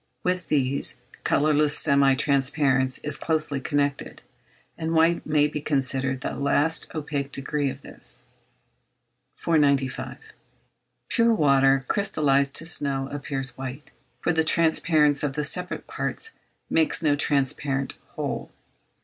With these, colourless semi transparence is closely connected, and white may be considered the last opaque degree of this. 495. Pure water crystallised to snow appears white, for the transparence of the separate parts makes no transparent whole.